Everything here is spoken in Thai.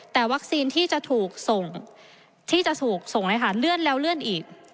แต่วัคซีนที่จะถูกส่งที่จะถูกส่งเลยค่ะเลื่อนแล้วเลื่อนอีก